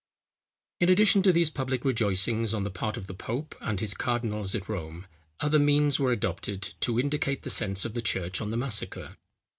In addition to these public rejoicings on the part of the pope and his cardinals at Rome, other means were adopted to indicate the sense of the church on the massacre.